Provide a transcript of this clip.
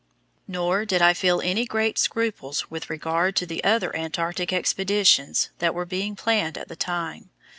Nor did I feel any great scruples with regard to the other Antarctic expeditions that were being planned at the time.